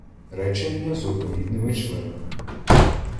Речення з однорідними членами